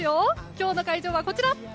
今日の会場はこちら。